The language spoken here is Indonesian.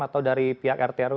atau dari pihak rtrw